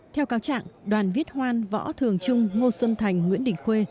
theo cáo trạng đoàn viết hoan võ thường trung ngô xuân thành nguyễn đình khuê